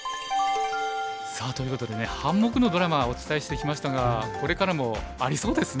さあということでね半目のドラマお伝えしてきましたがこれからもありそうですね。